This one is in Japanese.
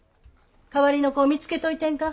代わりの子見つけといてんか。